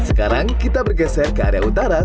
sekarang kita bergeser ke area utara